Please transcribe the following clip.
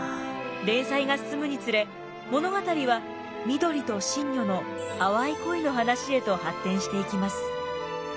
連載が進むにつれ物語は美登利と信如の淡い恋の話へと発展していきます。